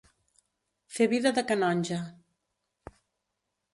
Fer vida de canonge.